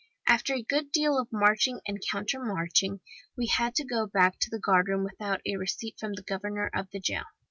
After a good deal of marching and countermarching, we had to go back to the guard room without a receipt from the governor of the jail.